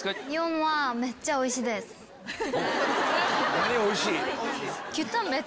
何おいしい？